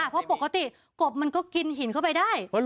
เพราะปกติกบมันก็กินหินเข้าไปได้